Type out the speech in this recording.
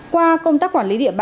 qua công tác quản lý